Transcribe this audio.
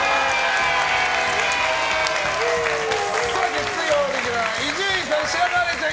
月曜レギュラー伊集院さん、白河れいちゃん